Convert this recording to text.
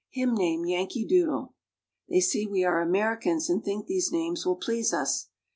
Him name Yankee Doodle." They sec we are Americans and think these nanies_will_please us.